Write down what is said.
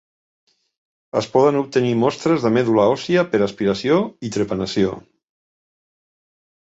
Es poden obtenir mostres de medul·la òssia per aspiració i trepanació